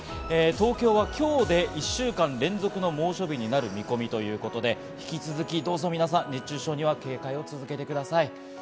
東京は今日で１週間連続の猛暑日になる見込みということで、引き続き、どうぞ皆さん、熱中症には警戒を続けてください。